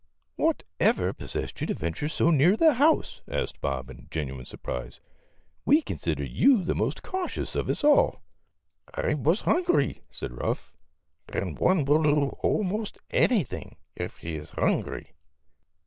M What ever possessed you to venture so near to the house? " asked Bob, in genuine sur prise. ' r We consider you the most cautious of us all." " I was hungry," said Ruff, " and one will do almost anything if he is hungry."